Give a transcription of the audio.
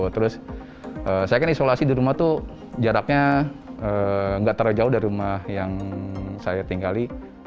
terus saya kan isolasi di rumah tuh jaraknya nggak terlalu jauh dari rumah yang saya tinggali